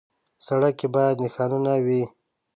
سړک کې باید نښانونه وي.